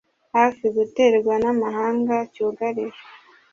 Hafi guterwa n’amahanga, cyugarijwe